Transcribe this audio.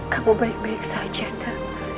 kamu baik baik saja dan